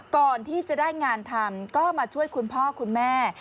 ก่อนที่จะได้งานทำก็มาช่วยคุณพ่อคุณแม่